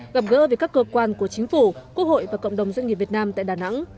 gặp gỡ về các cơ quan của chính phủ quốc hội và cộng đồng doanh nghiệp việt nam tại đà nẵng